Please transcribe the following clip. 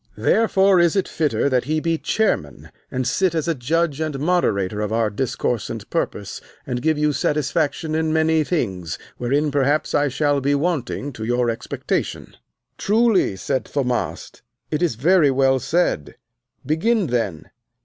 Therefore is it fitter that he be chairman, and sit as a judge and moderator of our discourse and purpose, and give you satisfaction in many things wherein perhaps I shall be wanting to your expectation. Truly, said Thaumast, it is very well said; begin then.